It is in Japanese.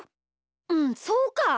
うんそうか！